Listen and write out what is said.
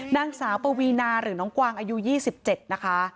นางสาวปวีนาหรือน้องกวางอายุ๒๗นะคะ